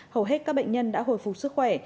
hầu hết các bệnh nhân đã hồi phục sức khỏe